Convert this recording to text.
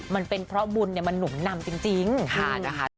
มันเป็นเพราะบุญมันหนุนนำจริงค่ะนะคะ